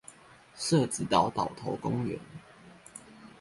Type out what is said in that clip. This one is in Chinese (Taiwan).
社子島島頭公園